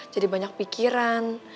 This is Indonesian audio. jadi banyak pikiran